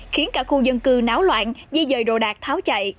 khiến cả khu dân cư náo loạn di dời đồ đạc tháo chạy